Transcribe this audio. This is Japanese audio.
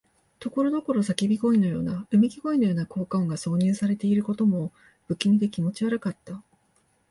ところどころ叫び声のような、うめき声のような効果音が挿入されていることも、不気味で気持ち悪かった。